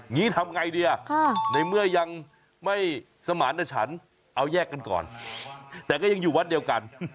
ทำไงดีอ่ะในเมื่อยังไม่สมารณฉันเอาแยกกันก่อนแต่ก็ยังอยู่วัดเดียวกัน